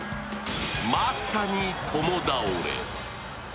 まさに共倒れ。